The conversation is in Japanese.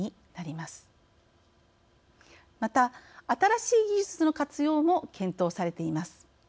また、新しい技術の活用も検討されています。